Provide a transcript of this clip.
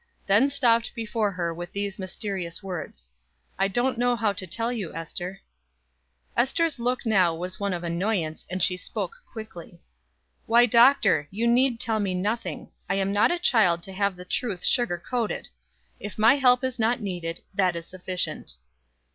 Then stopped before her with these mysterious words: "I don't know how to tell you, Ester." Ester's look now was one of annoyance, and she spoke quickly. "Why, Doctor, you need tell me nothing. I am not a child to have the truth sugar coated. If my help is not needed, that is sufficient."